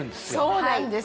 そうなんです。